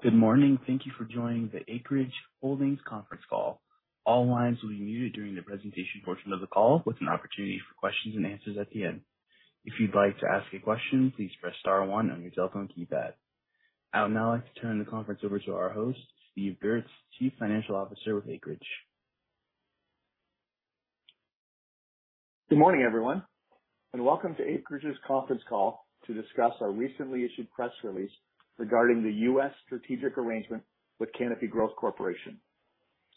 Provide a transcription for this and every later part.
Good morning. Thank you for joining the Acreage Holdings Conference Call. All lines will be muted during the presentation portion of the call with an opportunity for questions and answers at the end. If you'd like to ask a question, please press star one on your telephone keypad. I would now like to turn the conference over to our host, Steve Gertz, Chief Financial Officer with Acreage. Good morning, everyone, and welcome to Acreage's Conference Call to discuss our recently issued press release regarding the U.S. strategic arrangement with Canopy Growth Corporation,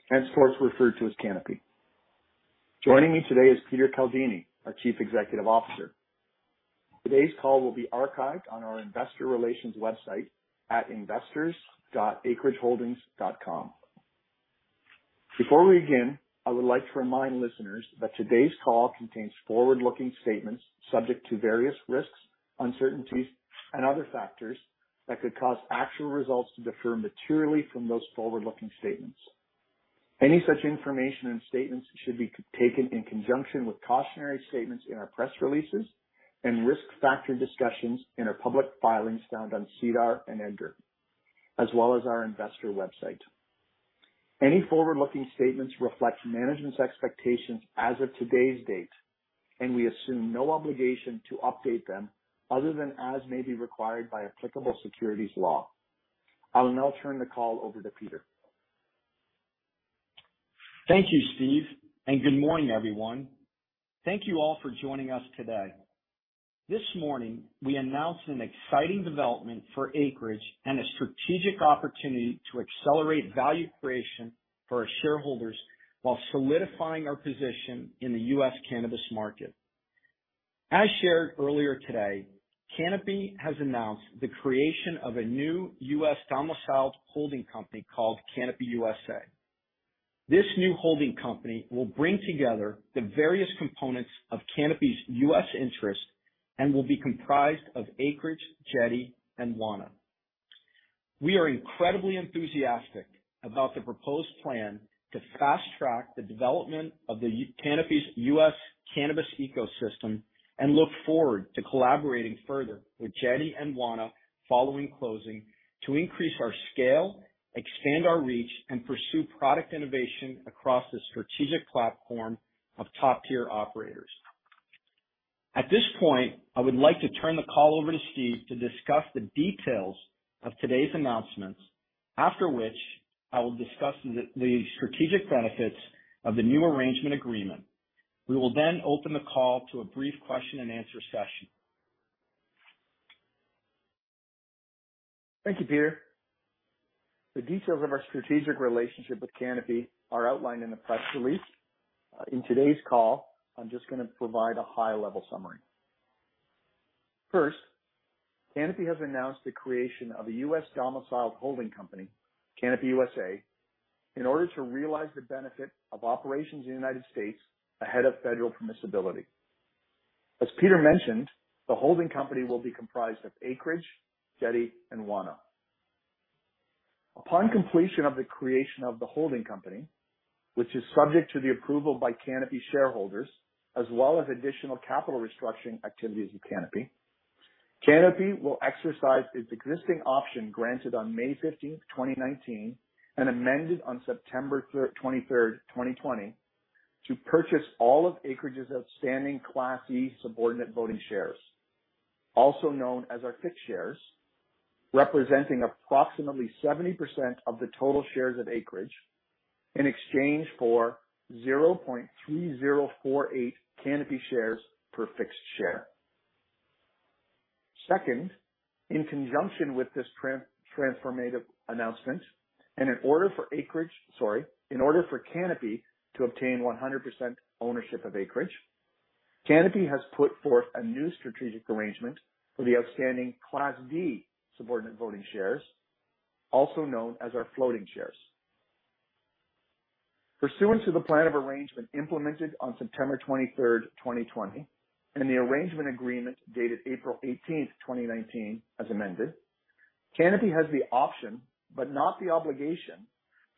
henceforth referred to as Canopy. Joining me today is Peter Caldini, our Chief Executive Officer. Today's call will be archived on our investor relations website at investors.acreageholdings.com. Before we begin, I would like to remind listeners that today's call contains forward-looking statements subject to various risks, uncertainties, and other factors that could cause actual results to differ materially from those forward-looking statements. Any such information and statements should be taken in conjunction with cautionary statements in our press releases and risk factor discussions in our public filings found on SEDAR and EDGAR, as well as our investor website. Any forward-looking statements reflect management's expectations as of today's date, and we assume no obligation to update them other than as may be required by applicable securities law. I will now turn the call over to Peter. Thank you, Steve, and good morning, everyone. Thank you all for joining us today. This morning, we announced an exciting development for Acreage and a strategic opportunity to accelerate value creation for our shareholders while solidifying our position in the U.S. cannabis market. As shared earlier today, Canopy has announced the creation of a new U.S. domiciled holding company called Canopy USA. This new holding company will bring together the various components of Canopy's U.S. interests and will be comprised of Acreage, Jetty, and Wana. We are incredibly enthusiastic about the proposed plan to fast-track the development of Canopy's U.S. cannabis ecosystem and look forward to collaborating further with Jetty and Wana following closing to increase our scale, expand our reach, and pursue product innovation across the strategic platform of top-tier operators. At this point, I would like to turn the call over to Steve to discuss the details of today's announcements, after which I will discuss the strategic benefits of the new arrangement agreement. We will then open the call to a brief question and answer session. Thank you, Peter. The details of our strategic relationship with Canopy are outlined in the press release. In today's call, I'm just gonna provide a high-level summary. First, Canopy has announced the creation of a U.S.-domiciled holding company, Canopy USA, in order to realize the benefit of operations in the United States ahead of federal permissibility. As Peter mentioned, the holding company will be comprised of Acreage, Jetty, and Wana. Upon completion of the creation of the holding company, which is subject to the approval by Canopy shareholders, as well as additional capital restructuring activities of Canopy will exercise its existing option granted on May 15, 2019, and amended on September 23rd, 2020, to purchase all of Acreage's outstanding Class E subordinate voting shares, also known as our Fixed Shares, representing approximately 70% of the total shares of Acreage in exchange for 0.3048 Canopy shares per Fixed Share. Second, in conjunction with this transformative announcement, in order for Canopy to obtain 100% ownership of Acreage, Canopy has put forth a new strategic arrangement for the outstanding Class D subordinate voting shares, also known as our Floating Shares. Pursuant to the plan of arrangement implemented on September 23rd, 2020, and the arrangement agreement dated April 18, 2019 as amended, Canopy has the option, but not the obligation,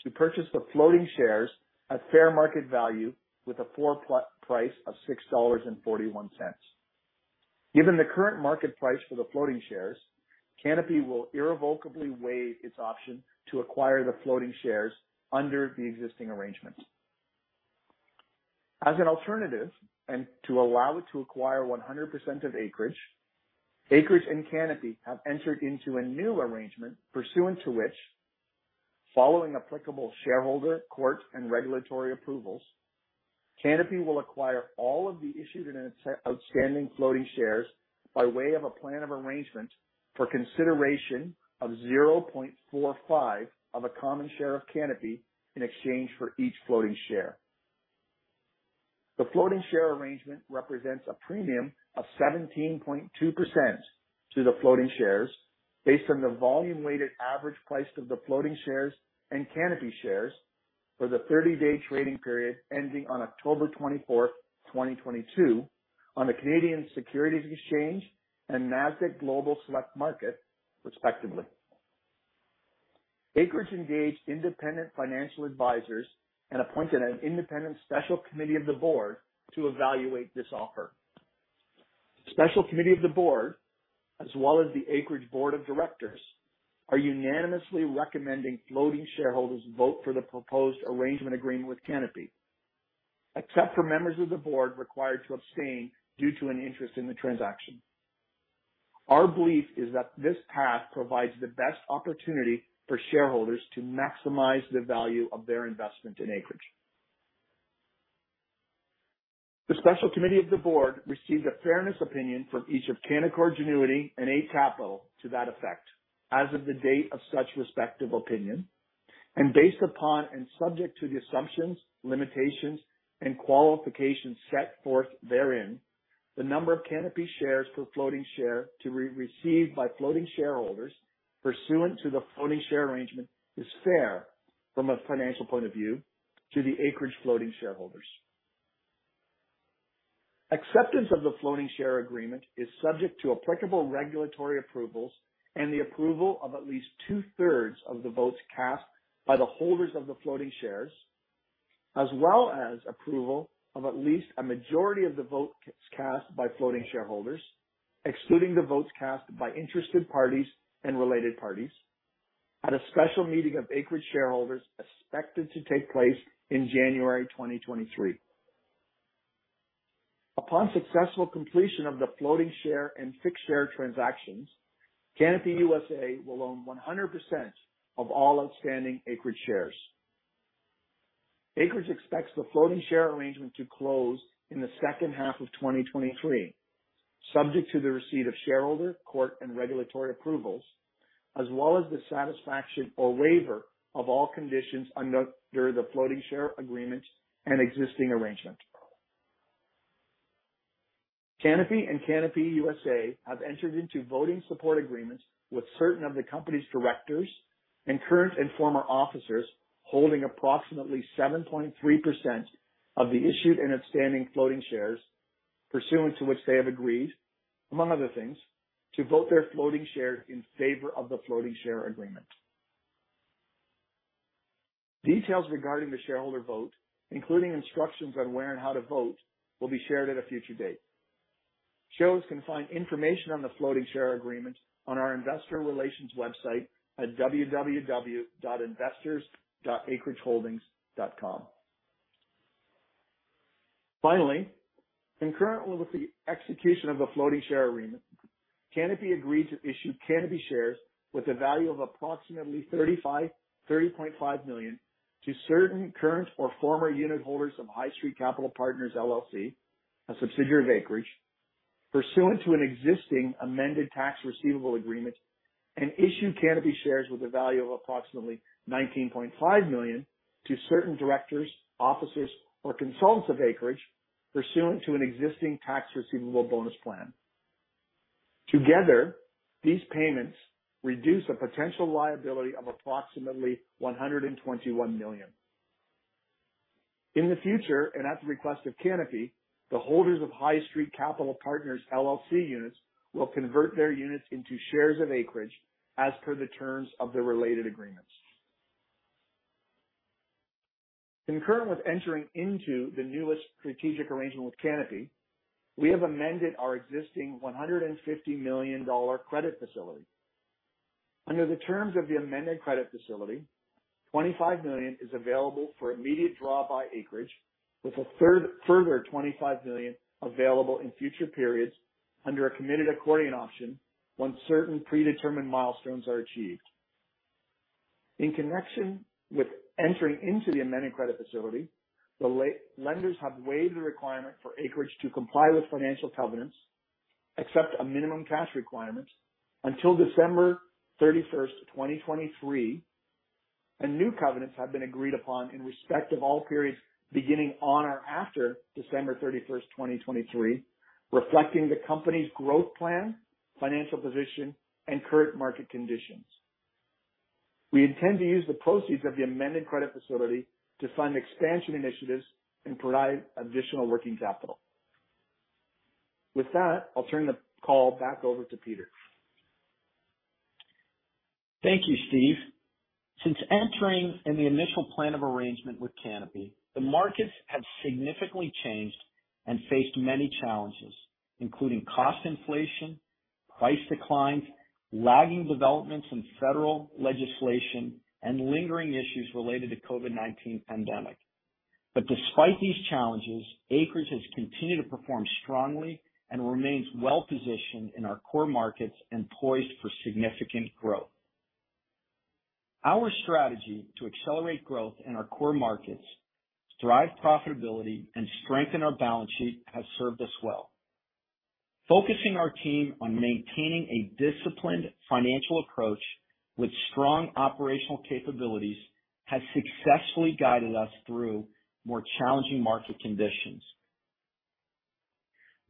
to purchase the Floating Shares at fair market value with a floor price of $6.41. Given the current market price for the Floating Shares, Canopy will irrevocably waive its option to acquire the Floating Shares under the existing arrangement. As an alternative, and to allow it to acquire 100% of Acreage and Canopy have entered into a new arrangement pursuant to which, following applicable shareholder, court, and regulatory approvals, Canopy will acquire all of the issued and outstanding Floating Shares by way of a plan of arrangement for consideration of 0.45 of a common share of Canopy in exchange for each Floating Share. The Floating Shares arrangement represents a premium of 17.2% to the Floating Shares based on the volume-weighted average price of the Floating Shares and Canopy shares for the 30-day trading period ending on October 24, 2022, on the Canadian Securities Exchange and NASDAQ Global Select Market, respectively. Acreage engaged independent financial advisors and appointed an independent special committee of the board to evaluate this offer. Special Committee of the board, as well as the Acreage Board of Directors, are unanimously recommending Floating Shareholders vote for the proposed arrangement agreement with Canopy, except for members of the board required to abstain due to an interest in the transaction. Our belief is that this path provides the best opportunity for shareholders to maximize the value of their investment in Acreage. The special committee of the board received a fairness opinion from each of Canaccord Genuity and Eight Capital to that effect. As of the date of such respective opinion, and based upon and subject to the assumptions, limitations, and qualifications set forth therein, the number of Canopy shares per floating share to receive by floating shareholders pursuant to the floating share arrangement is fair from a financial point of view to the Acreage floating shareholders. Acceptance of the floating share agreement is subject to applicable regulatory approvals and the approval of at least 2/3 of the votes cast by the holders of the floating shares, as well as approval of at least a majority of the vote cast by floating shareholders, excluding the votes cast by interested parties and related parties at a special meeting of Acreage shareholders expected to take place in January 2023. Upon successful completion of the floating share and fixed share transactions, Canopy USA will own 100% of all outstanding Acreage shares. Acreage expects the floating share arrangement to close in the second half of 2023, subject to the receipt of shareholder, court, and regulatory approvals, as well as the satisfaction or waiver of all conditions under the floating share agreement and existing arrangement. Canopy and Canopy USA have entered into voting support agreements with certain of the company's directors and current and former officers, holding approximately 7.3% of the issued and outstanding floating shares pursuant to which they have agreed, among other things, to vote their floating shares in favor of the floating share agreement. Details regarding the shareholder vote, including instructions on where and how to vote, will be shared at a future date. Shareholders can find information on the floating share agreement on our investor relations website at investors.acreageholdings.com. Finally, concurrent with the execution of the floating share agreement, Canopy agreed to issue Canopy shares with a value of approximately $30.5 million to certain current or former unitholders of High Street Capital Partners, LLC, a subsidiary of Acreage, pursuant to an existing amended tax receivable agreement, and issue Canopy shares with a value of approximately $19.5 million to certain directors, officers, or consultants of Acreage pursuant to an existing tax receivable bonus plan. Together, these payments reduce a potential liability of approximately $121 million. In the future, and at the request of Canopy, the holders of High Street Capital Partners, LLC units will convert their units into shares of Acreage as per the terms of the related agreements. Concurrent with entering into the newest strategic arrangement with Canopy, we have amended our existing $150 million credit facility. Under the terms of the amended credit facility, $25 million is available for immediate draw by Acreage, with further $25 million available in future periods under a committed accordion option when certain predetermined milestones are achieved. In connection with entering into the amended credit facility, the lenders have waived the requirement for Acreage to comply with financial covenants, except a minimum cash requirement, until December 31st, 2023. New covenants have been agreed upon in respect of all periods beginning on or after December 31st, 2023, reflecting the company's growth plan, financial position, and current market conditions. We intend to use the proceeds of the amended credit facility to fund expansion initiatives and provide additional working capital. With that, I'll turn the call back over to Peter. Thank you, Steve. Since entering in the initial plan of arrangement with Canopy, the markets have significantly changed and faced many challenges, including cost inflation, price declines, lagging developments in federal legislation, and lingering issues related to COVID-19 pandemic. Despite these challenges, Acreage has continued to perform strongly and remains well-positioned in our core markets and poised for significant growth. Our strategy to accelerate growth in our core markets, drive profitability, and strengthen our balance sheet has served us well. Focusing our team on maintaining a disciplined financial approach with strong operational capabilities has successfully guided us through more challenging market conditions.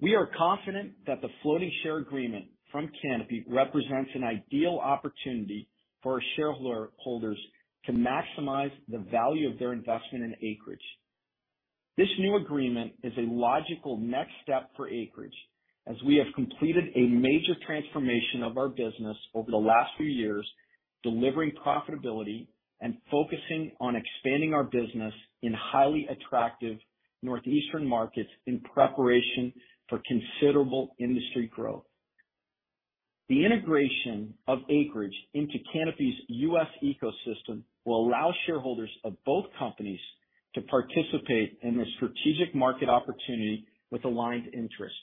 We are confident that the Floating Share agreement from Canopy represents an ideal opportunity for our shareholders to maximize the value of their investment in Acreage. This new agreement is a logical next step for Acreage as we have completed a major transformation of our business over the last few years, delivering profitability and focusing on expanding our business in highly attractive northeastern markets in preparation for considerable industry growth. The integration of Acreage into Canopy's U.S. ecosystem will allow shareholders of both companies to participate in this strategic market opportunity with aligned interests.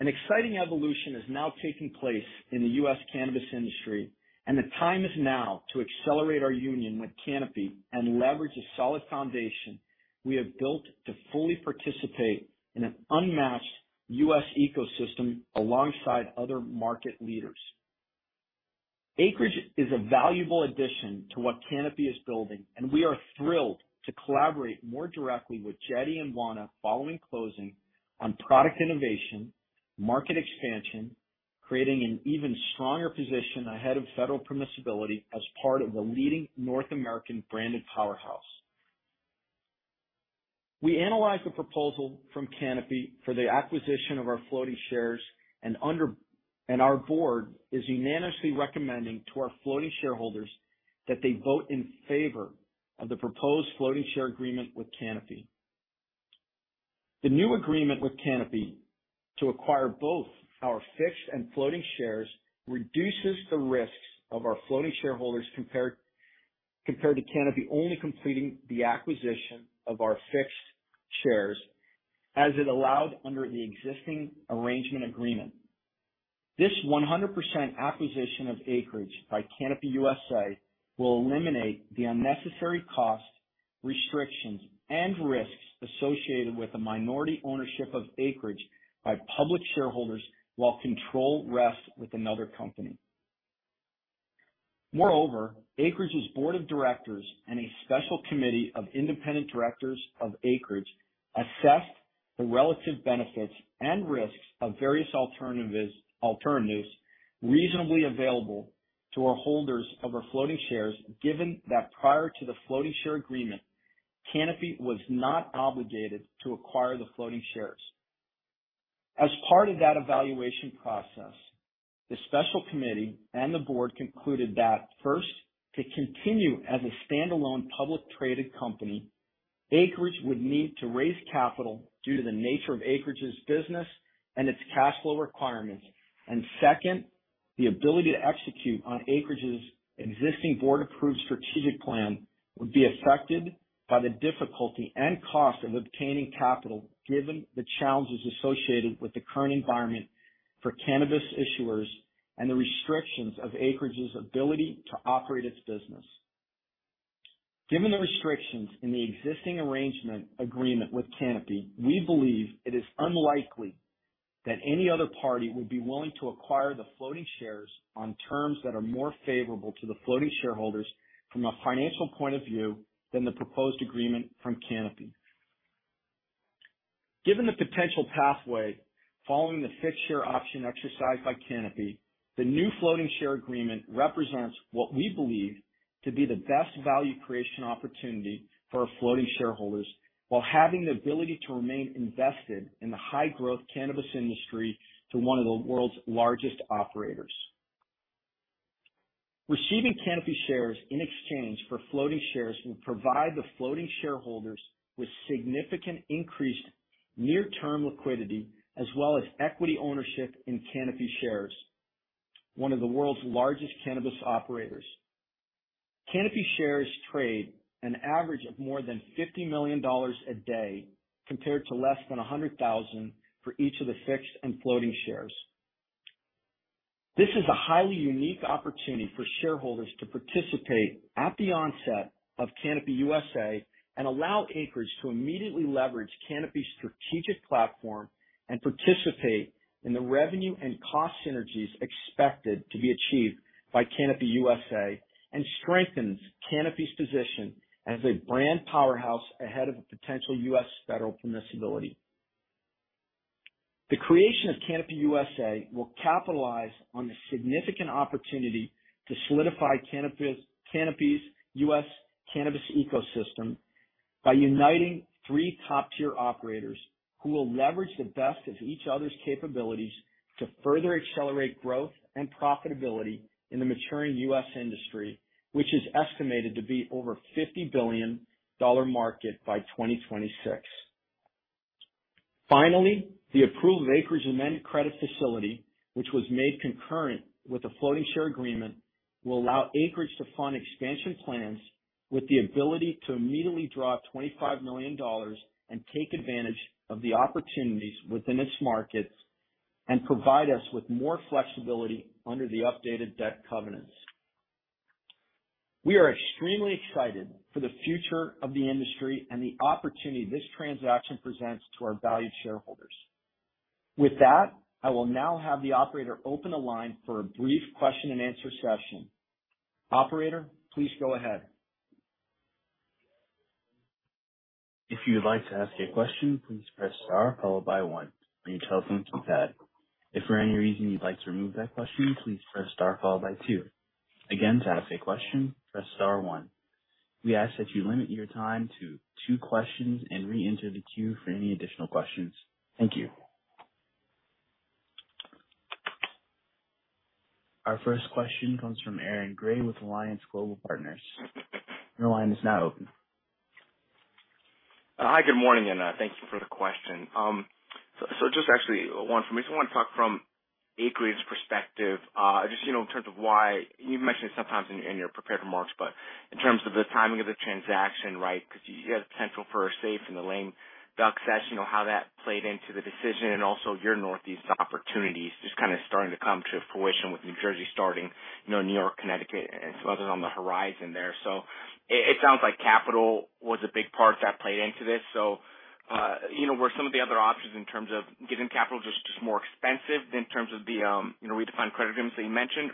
An exciting evolution is now taking place in the U.S. cannabis industry, and the time is now to accelerate our union with Canopy and leverage a solid foundation we have built to fully participate in an unmatched U.S. ecosystem alongside other market leaders. Acreage is a valuable addition to what Canopy is building, and we are thrilled to collaborate more directly with Jetty and Wana following closing on product innovation, market expansion, creating an even stronger position ahead of federal permissibility as part of the leading North American branded powerhouse. We analyzed the proposal from Canopy for the acquisition of our floating shares and our board is unanimously recommending to our floating shareholders that they vote in favor of the proposed floating share agreement with Canopy. The new agreement with Canopy to acquire both our fixed and floating shares reduces the risks of our floating shareholders compared to Canopy only completing the acquisition of our fixed shares as it allowed under the existing arrangement agreement. This 100% acquisition of Acreage by Canopy USA will eliminate the unnecessary costs, restrictions, and risks associated with the minority ownership of Acreage by public shareholders while control rests with another company. Moreover, Acreage's board of directors and a special committee of independent directors of Acreage assessed the relative benefits and risks of various alternatives reasonably available to our holders of our floating shares, given that prior to the floating share agreement, Canopy was not obligated to acquire the floating shares. As part of that evaluation process, the special committee and the board concluded that, first, to continue as a standalone publicly traded company, Acreage would need to raise capital due to the nature of Acreage's business and its cash flow requirements. Second, the ability to execute on Acreage's existing board-approved strategic plan would be affected by the difficulty and cost of obtaining capital given the challenges associated with the current environment for cannabis issuers and the restrictions of Acreage's ability to operate its business. Given the restrictions in the existing arrangement agreement with Canopy, we believe it is unlikely that any other party would be willing to acquire the floating shares on terms that are more favorable to the floating shareholders from a financial point of view than the proposed agreement from Canopy. Given the potential pathway following the fixed share option exercised by Canopy, the new floating share agreement represents what we believe to be the best value creation opportunity for our floating shareholders while having the ability to remain invested in the high-growth cannabis industry through one of the world's largest operators. Receiving Canopy shares in exchange for floating shares will provide the floating shareholders with significant increased near-term liquidity as well as equity ownership in Canopy shares, one of the world's largest cannabis operators. Canopy shares trade an average of more than $50 million a day, compared to less than $100,000 for each of the fixed and floating shares. This is a highly unique opportunity for shareholders to participate at the onset of Canopy USA and allow Acreage to immediately leverage Canopy's strategic platform and participate in the revenue and cost synergies expected to be achieved by Canopy USA and strengthens Canopy's position as a brand powerhouse ahead of a potential U.S. federal permissibility. The creation of Canopy USA will capitalize on the significant opportunity to solidify Canopy's U.S. cannabis ecosystem by uniting three top-tier operators who will leverage the best of each other's capabilities to further accelerate growth and profitability in the maturing U.S. industry, which is estimated to be over $50 billion market by 2026. Finally, the approved Acreage amended credit facility, which was made concurrent with the Floating Share agreement, will allow Acreage to fund expansion plans with the ability to immediately draw $25 million and take advantage of the opportunities within its markets and provide us with more flexibility under the updated debt covenants. We are extremely excited for the future of the industry and the opportunity this transaction presents to our valued shareholders. With that, I will now have the operator open the line for a brief question and answer session. Operator, please go ahead. If you would like to ask a question, please press star followed by one on your telephone keypad. If for any reason you'd like to remove that question, please press star followed by two. Again, to ask a question, press star one. We ask that you limit your time to two questions and re-enter the queue for any additional questions. Thank you. Our first question comes from Aaron Gray with Alliance Global Partners. Your line is now open. Hi, good morning, and thank you for the question. Just actually one for me. I want to talk from Acreage perspective. Just, you know, in terms of why. You've mentioned it sometimes in your prepared remarks, but in terms of the timing of the transaction, right, 'cause you have potential for a SAFE and the lame duck session, you know, how that played into the decision and also your Northeast opportunities just kind of starting to come to fruition with New Jersey starting, you know, New York, Connecticut, and some others on the horizon there. It sounds like capital was a big part that played into this. You know, were some of the other options in terms of getting capital just more expensive in terms of the refinanced credit agreements that you mentioned?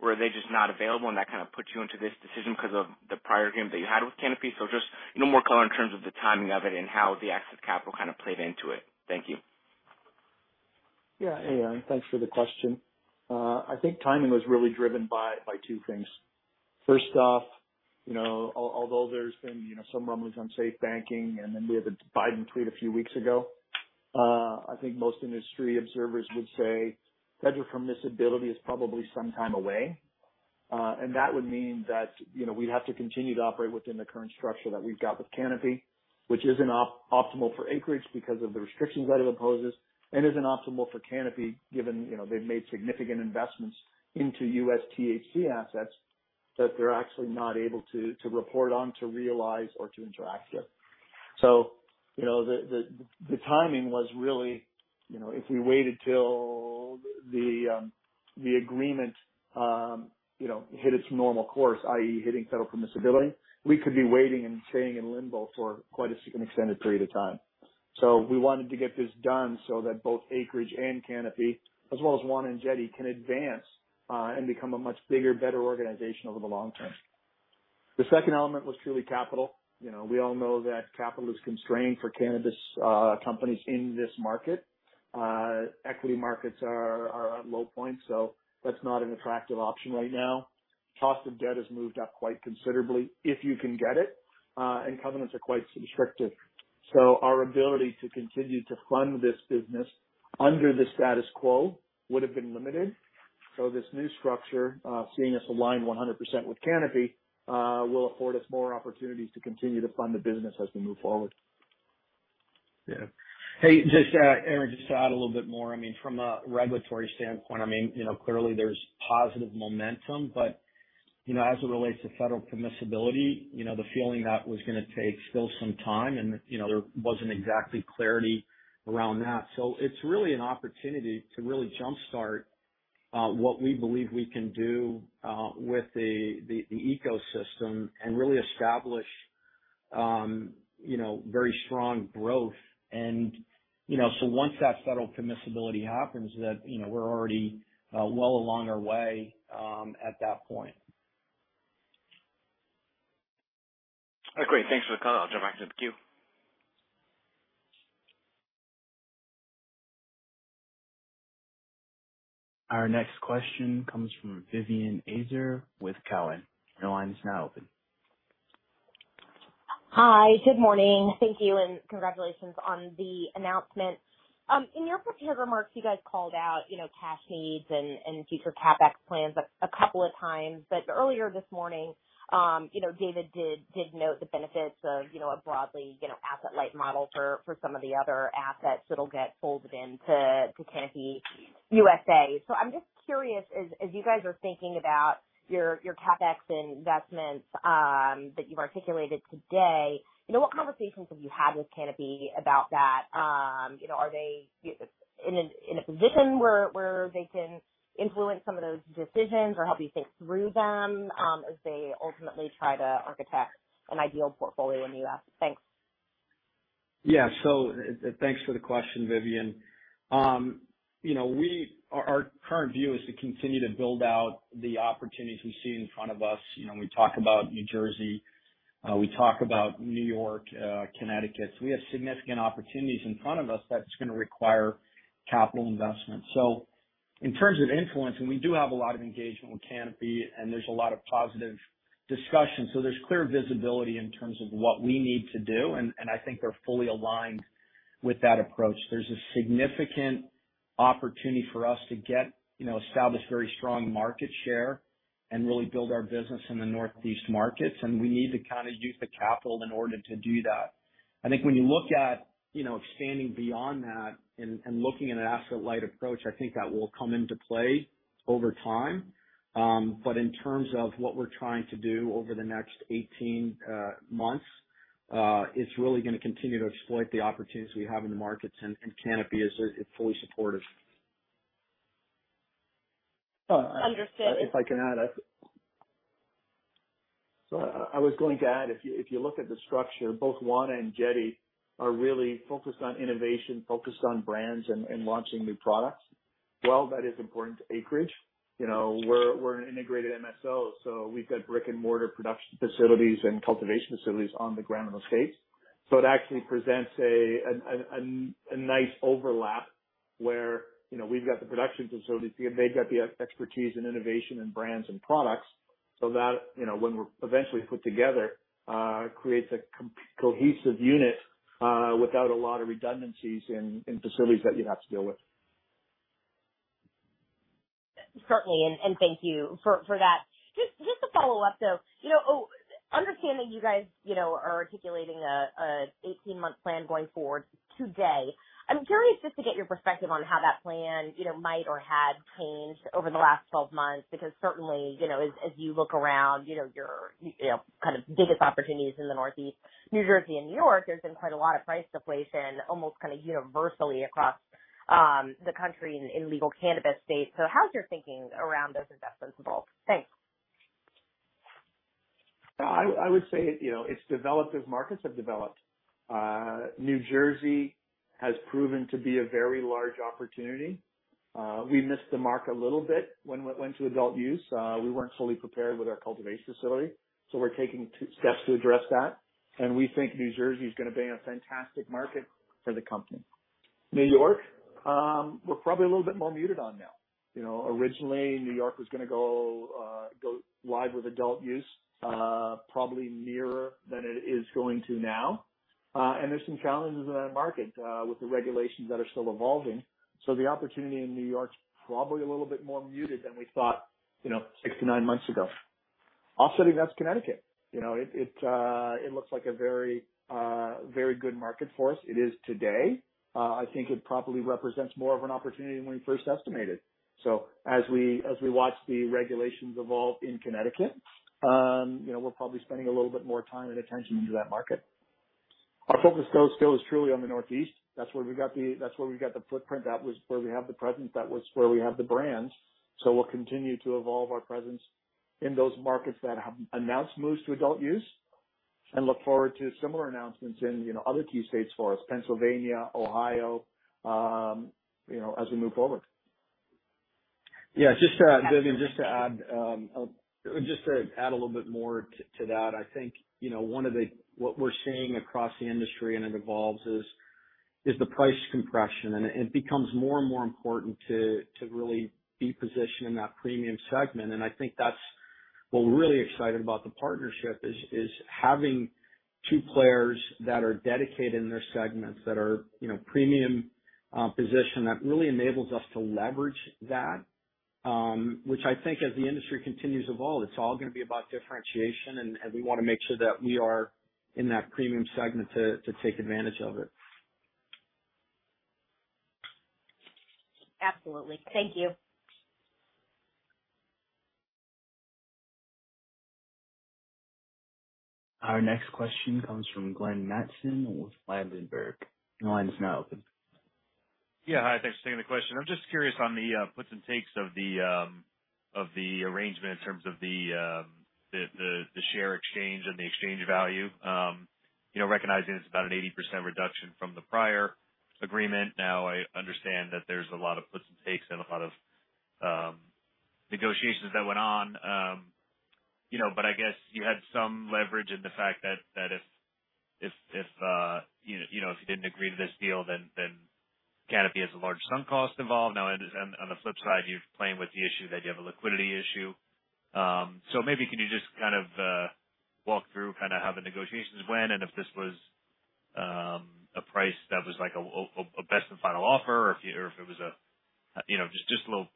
Were they just not available, and that kind of put you into this decision because of the prior agreement that you had with Canopy? Just, you know, more color in terms of the timing of it and how the exit capital kind of played into it. Thank you. Yeah. Hey, Aaron, thanks for the question. I think timing was really driven by two things. First off, you know, although there's been, you know, some rumblings on safe banking, and then we had the Biden tweet a few weeks ago, I think most industry observers would say federal permissibility is probably some time away. And that would mean that, you know, we'd have to continue to operate within the current structure that we've got with Canopy, which isn't optimal for Acreage because of the restrictions that it imposes, and isn't optimal for Canopy given, you know, they've made significant investments into U.S. THC assets that they're actually not able to report on, to realize, or to interact with. You know, the timing was really, you know, if we waited till the agreement hit its normal course, i.e. hitting federal permissibility, we could be waiting and staying in limbo for quite a significant extended period of time. We wanted to get this done so that both Acreage and Canopy, as well as Wana and Jetty, can advance and become a much bigger, better organization over the long term. The second element was Truly capital. You know, we all know that capital is constrained for cannabis companies in this market. Equity markets are at low points, so that's not an attractive option right now. Cost of debt has moved up quite considerably, if you can get it, and covenants are quite restrictive. Our ability to continue to fund this business under the status quo would have been limited. This new structure, seeing us align 100% with Canopy, will afford us more opportunities to continue to fund the business as we move forward. Yeah. Hey, just Aaron, just to add a little bit more, I mean, from a regulatory standpoint, I mean, you know, clearly there's positive momentum. You know, as it relates to federal permissibility, you know, the feeling that was gonna take still some time and, you know, there wasn't exactly clarity around that. It's really an opportunity to really jump-start what we believe we can do with the ecosystem and really establish, you know, very strong growth. You know, once that federal permissibility happens that, you know, we're already well along our way at that point. Great. Thanks for the call. I'll jump back to the queue. Our next question comes from Vivien Azer with Cowen. Your line is now open. Hi. Good morning. Thank you and congratulations on the announcement. In your prepared remarks, you guys called out, you know, cash needs and future CapEx plans a couple of times. Earlier this morning, you know, David did note the benefits of, you know, a broadly, you know, asset light model for some of the other assets that'll get folded into Canopy USA. I'm just curious, as you guys are thinking about your CapEx investments that you've articulated today, you know, what conversations have you had with Canopy about that? You know, are they in a position where they can influence some of those decisions or help you think through them, as they ultimately try to architect an ideal portfolio in the U.S.? Thanks. Yeah. Thanks for the question, Vivien. You know, our current view is to continue to build out the opportunities we see in front of us. You know, we talk about New Jersey, we talk about New York, Connecticut. We have significant opportunities in front of us that's gonna require capital investment. In terms of influence, and we do have a lot of engagement with Canopy and there's a lot of positive discussion. There's clear visibility in terms of what we need to do, and I think they're fully aligned with that approach. There's a significant opportunity for us to get, you know, establish very strong market share and really build our business in the Northeast markets, and we need to kinda use the capital in order to do that. I think when you look at, you know, expanding beyond that and looking at an asset light approach, I think that will come into play over time. In terms of what we're trying to do over the next 18 months, it's really gonna continue to exploit the opportunities we have in the markets, and Canopy is fully supportive. Understood. If I can add. I was going to add, if you look at the structure, both Wana and Jetty are really focused on innovation, focused on brands and launching new products. While that is important to Acreage, you know, we're an integrated MSO, so we've got brick and mortar production facilities and cultivation facilities on the ground in the states. So it actually presents a nice overlap where, you know, we've got the production facilities, they've got the expertise in innovation and brands and products. So that, you know, when we're eventually put together, creates a cohesive unit without a lot of redundancies in facilities that you'd have to deal with. Certainly, and thank you for that. Just a follow-up, though. You know, understanding you guys, you know, are articulating a 18-month plan going forward today, I'm curious just to get your perspective on how that plan, you know, might or had changed over the last 12 months, because certainly, you know, as you look around, you know, your, you know, kind of biggest opportunities in the Northeast, New Jersey and New York, there's been quite a lot of price deflation, almost kind of universally across the country in legal cannabis states. How's your thinking around those investments evolved? Thanks. I would say, you know, it's developed as markets have developed. New Jersey has proven to be a very large opportunity. We missed the mark a little bit when we went to adult use. We weren't fully prepared with our cultivation facility, so we're taking two steps to address that. We think New Jersey is gonna be a fantastic market for the company. New York, we're probably a little bit more muted on now. You know, originally New York was gonna go live with adult use, probably nearer than it is going to now. There's some challenges in that market with the regulations that are still evolving. The opportunity in New York is probably a little bit more muted than we thought, you know, six to nine months ago. Offsetting that is Connecticut. You know, it looks like a very good market for us. It is today. I think it probably represents more of an opportunity than when we first estimated. As we watch the regulations evolve in Connecticut, you know, we're probably spending a little bit more time and attention into that market. Our focus though still is truly on the Northeast. That's where we got the footprint. That was where we have the presence. That was where we have the brands. We'll continue to evolve our presence in those markets that have announced moves to adult use and look forward to similar announcements in, you know, other key states for us, Pennsylvania, Ohio, you know, as we move forward. Vivien, just to add a little bit more to that. I think, you know, one of the what we're seeing across the industry and it evolves is the price compression. It becomes more and more important to really be positioned in that premium segment. I think that's what we're really excited about the partnership is having two players that are dedicated in their segments that are, you know, premium position that really enables us to leverage that, which I think as the industry continues to evolve, it's all gonna be about differentiation, and we wanna make sure that we are in that premium segment to take advantage of it. Absolutely. Thank you. Our next question comes from Glenn Mattson with Ladenburg Thalmann. Your line is now open. Yeah. Hi. Thanks for taking the question. I'm just curious on the puts and takes of the arrangement in terms of the share exchange and the exchange value. You know, recognizing it's about an 80% reduction from the prior agreement. I understand that there's a lot of puts and takes and a lot of negotiations that went on. You know, but I guess you had some leverage in the fact that if you didn't agree to this deal, then Canopy has a large sunk cost involved. On the flip side, you're playing with the issue that you have a liquidity issue. Maybe can you just kind of walk through kind of how the negotiations went and if this was a price that was like a best and final offer, or if it was a you know just a little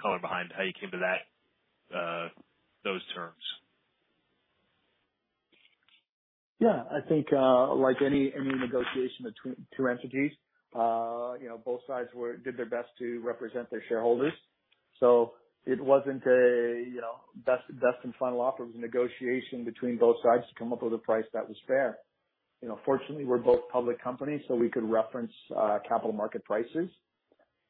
color behind how you came to those terms? Yeah. I think, like any negotiation between two entities, you know, both sides did their best to represent their shareholders. It wasn't a, you know, best and final offer. It was a negotiation between both sides to come up with a price that was fair. You know, fortunately, we're both public companies, so we could reference capital market prices.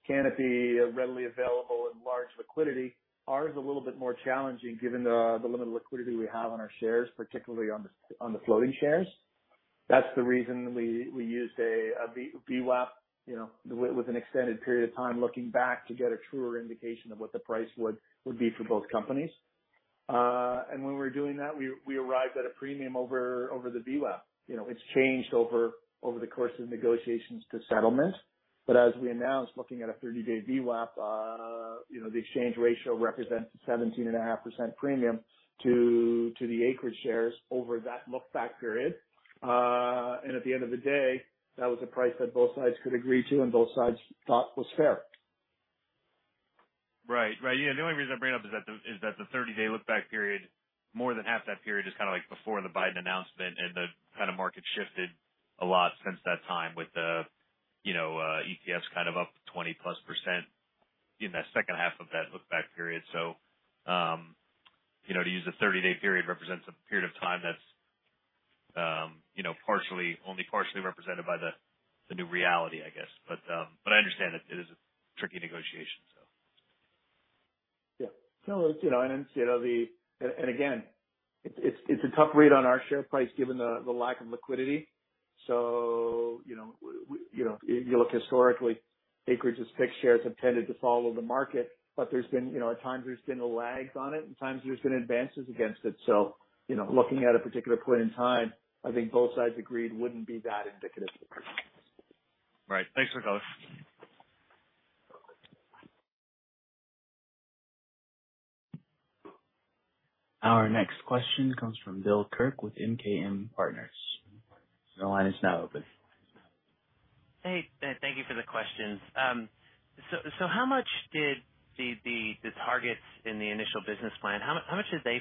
Canopy, readily available in large liquidity. Ours is a little bit more challenging given the limited liquidity we have on our shares, particularly on the floating shares. That's the reason we used a VWAP, you know, with an extended period of time looking back to get a truer indication of what the price would be for both companies. And when we were doing that, we arrived at a premium over the VWAP. You know, it's changed over the course of negotiations to settlement. As we announced, looking at a 30-day VWAP, you know, the exchange ratio represents 17.5% premium to the Acreage shares over that look-back period. At the end of the day, that was a price that both sides could agree to and both sides thought was fair. Right. Yeah, the only reason I bring it up is that the 30-day look-back period, more than half that period is kinda like before the Biden announcement and the market kind of shifted a lot since that time with you know, ETFs kind of up 20%+ in that second half of that look-back period. You know, to use a 30-day period represents a period of time that's you know, only partially represented by the new reality, I guess. I understand it is a tricky negotiation, so. Yeah. No, it's, you know, the. Again, it's a tough read on our share price given the lack of liquidity. You know, we, you know, you look historically, Acreage's Fixed Shares have tended to follow the market, but there's been, you know, at times there's been lags on it and times there's been advances against it. You know, looking at a particular point in time, I think both sides agreed wouldn't be that indicative of the price. Right. Thanks for those. Our next question comes from Bill Kirk with MKM Partners. Your line is now open. Hey, thank you for the questions. How much did the targets in the initial business plan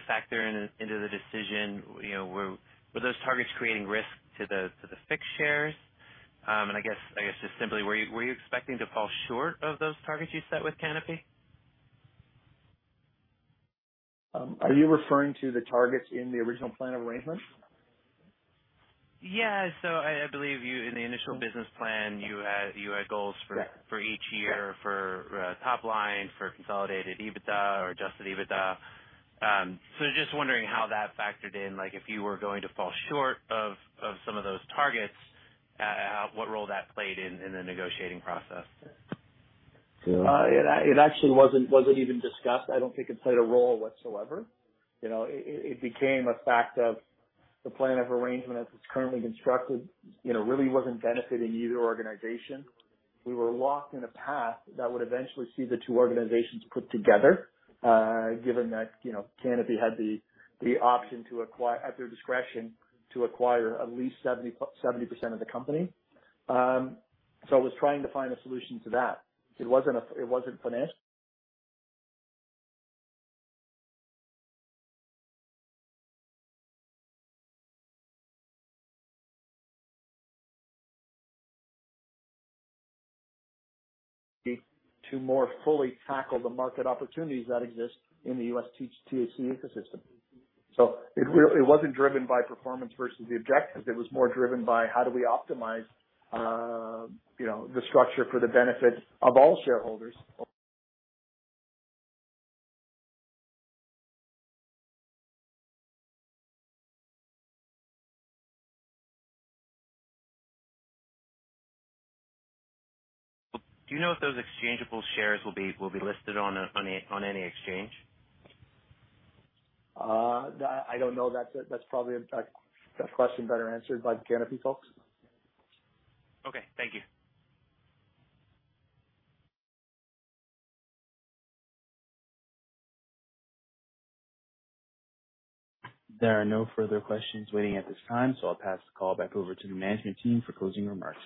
factor into the decision? You know, were those targets creating risk to the Fixed Shares? I guess just simply, were you expecting to fall short of those targets you set with Canopy? Are you referring to the targets in the original plan of arrangement? I believe in the initial business plan you had goals for- Yeah. for each year for top line, for consolidated EBITDA or adjusted EBITDA. Just wondering how that factored in, like if you were going to fall short of some of those targets, what role that played in the negotiating process? So- It actually wasn't even discussed. I don't think it played a role whatsoever. You know, it became a fact of the plan of arrangement as it's currently constructed, you know, really wasn't benefiting either organization. We were locked in a path that would eventually see the two organizations put together, given that, you know, Canopy had the option to acquire, at their discretion, to acquire at least 70% of the company. So it was trying to find a solution to that. To more fully tackle the market opportunities that exist in the U.S. THC ecosystem. So it wasn't driven by performance vs the objectives. It was more driven by how do we optimize, you know, the structure for the benefit of all shareholders. Do you know if those exchangeable shares will be listed on any exchange? I don't know. That's probably a question better answered by the Canopy folks. Okay. Thank you. There are no further questions waiting at this time, so I'll pass the call back over to the management team for closing remarks.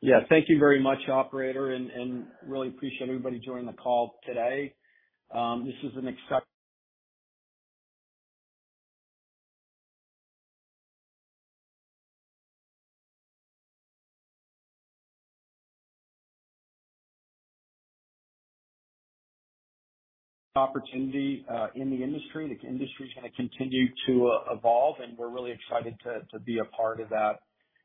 Yeah. Thank you very much, operator, and really appreciate everybody joining the call today. This is an exciting opportunity in the industry. The industry's gonna continue to evolve, and we're really excited to be a part of that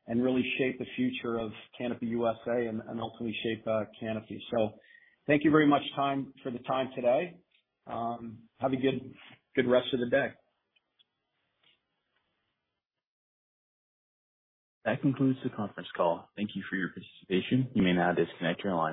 and really shape the future of Canopy USA and ultimately shape Canopy. Thank you very much for the time today. Have a good rest of the day. That concludes the conference call. Thank you for your participation. You may now disconnect your lines.